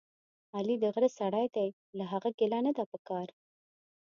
علي دغره سړی دی، له هغه ګیله نه ده پکار.